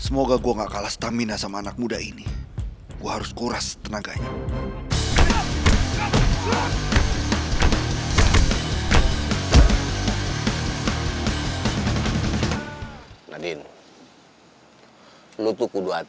mungkin mondi tuh lagi dibotot